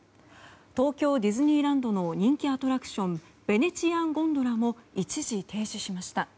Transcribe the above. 東京ディズニーランドの人気アトラクションヴェネツィアン・ゴンドラも一時停止しました。